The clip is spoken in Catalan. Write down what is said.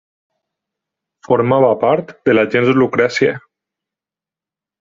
Formava part de la gens Lucrècia.